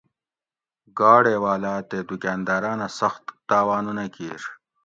گاڑے والا تے دکاندارانہ سخت تاوانونہ کیر